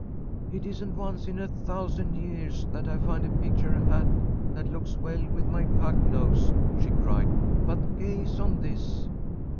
"It isn't once in a thousand years that I find a picture hat that looks well with my pug nose!" she cried. "But gaze on this!"